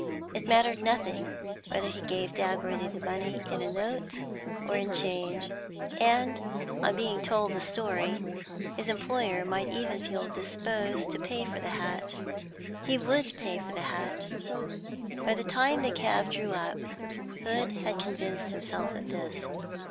It mattered nothing whether he gave Dagworthy the money in a note or in change, and, on being told the story, his employer might even feel disposed to pay for the hat. He would pay for the hat! By the time the cab drew up, Hood had convinced himself of this.